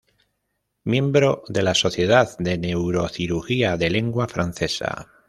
Miembro de la Sociedad de Neurocirugía de Lengua Francesa.